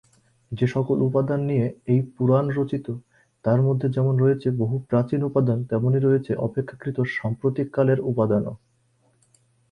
যেসকল উপাদান নিয়ে এই পুরাণ রচিত, তার মধ্যে যেমন রয়েছে বহু প্রাচীন উপাদান, তেমনই রয়েছে অপেক্ষাকৃত সাম্প্রতিক কালের উপাদানও।